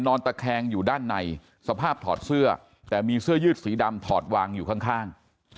ตะแคงอยู่ด้านในสภาพถอดเสื้อแต่มีเสื้อยืดสีดำถอดวางอยู่ข้าง